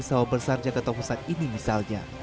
sawah besar jakarta tongsat ini misalnya